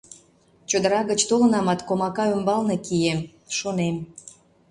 Чодыра гыч толынамат, комака ӱмбалне кием, шонем.